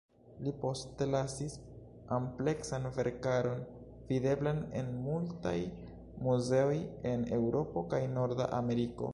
Li postlasis ampleksan verkaron, videblan en multaj muzeoj en Eŭropo kaj Norda Ameriko.